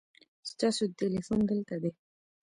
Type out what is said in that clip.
ستاسو تلیفون دلته دی